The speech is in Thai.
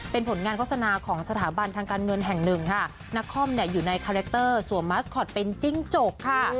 เป็นผลงานโฆษณาของสถาบันทางการเงินแห่งหนึ่งค่ะนักคอมเนี่ยอยู่ในคาแรคเตอร์สวมมัสคอตเป็นจิ้งจกค่ะ